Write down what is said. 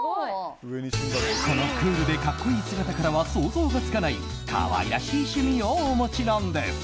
このクールで格好いい姿からは想像がつかない可愛らしい趣味をお持ちなんです。